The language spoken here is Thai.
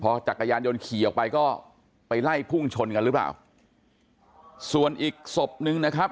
จักรยานยนต์ขี่ออกไปก็ไปไล่พุ่งชนกันหรือเปล่าส่วนอีกศพนึงนะครับ